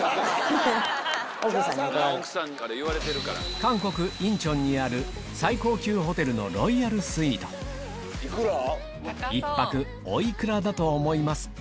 韓国仁川にある最高級ホテルのロイヤルスイート１泊お幾らだと思いますか？